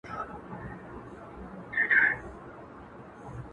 خود به يې اغزی پرهر ـ پرهر جوړ کړي ـ